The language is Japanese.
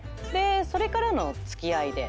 それからの付き合いで。